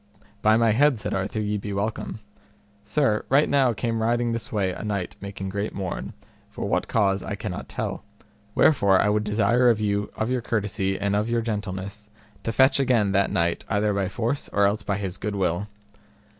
By my head, said Arthur, ye be welcome. Sir, right now came riding this way a knight making great mourn, for what cause I cannot tell; wherefore I would desire of you of your courtesy and of your gentleness to fetch again that knight either by force or else by his good will.